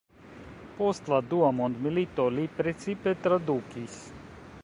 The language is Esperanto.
Post la dua mondmilito li precipe tradukis.